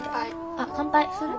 あっ乾杯する？